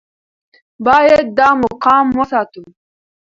باید دا مقام وساتو.